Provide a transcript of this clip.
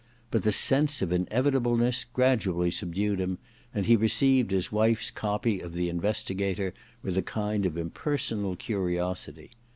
But the sense of inevitable ness gradually subdued him, and he received his wife's copy of the Investigator with a kind of impersonal curiosity.